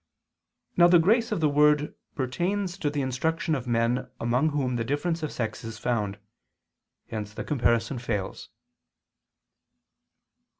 Now the grace of the word pertains to the instruction of men among whom the difference of sex is found. Hence the comparison fails.